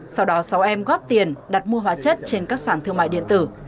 sau đó sáu em góp tiền đặt mua hóa chất trên các sản thương mại điện tử